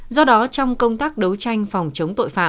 do đó trong công tác đấu tranh phòng chống